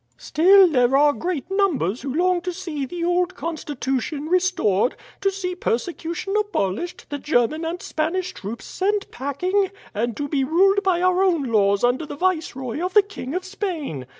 "Still there are great numbers who long to see the old Constitution restored to see persecution abolished, the German and Spanish troops sent packing, and to be ruled by our own laws under the viceroy of the King of Spain.